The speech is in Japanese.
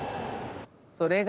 それが？